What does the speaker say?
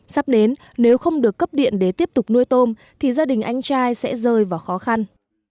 sắp đến nếu không được cấp điện để tiếp tục nuôi tôm thì gia đình anh trai sẽ rơi vào khó khăn